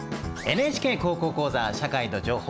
ＮＨＫ高校講座「社会と情報」。